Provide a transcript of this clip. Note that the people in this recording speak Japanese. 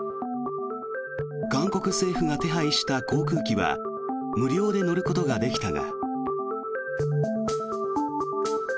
韓国政府が手配した航空機は無料で乗ることができたが。